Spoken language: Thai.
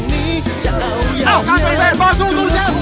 ปิดเพลงก่อน